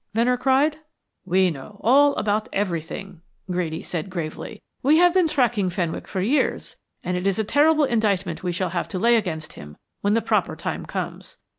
Venner cried. "We know all about everything," Grady said gravely. "We have been tracking Fenwick for years, and it is a terrible indictment we shall have to lay against him when the proper time comes.